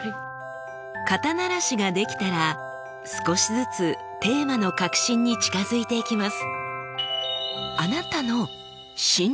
肩慣らしができたら少しずつテーマの核心に近づいていきます。